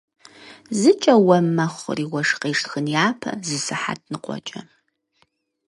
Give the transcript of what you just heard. Зыкӏэ уэм мэхъури уэшх къешхын япэ зы сыхьэт ныкъуэкӏэ!